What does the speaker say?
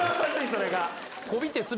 それが。